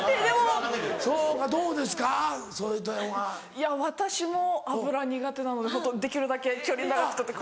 いや私も油苦手なのでホントできるだけ距離長く取って。